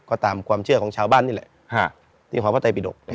ก็ตามความเชื่อของชาวบ้านนี่แหละที่หอพระไตปิดก